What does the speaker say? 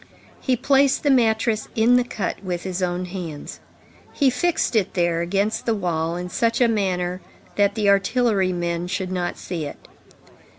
He placed the mattress in the cut with his own hands. He fixed it there against the wall in such a manner that the artillery men should not see it.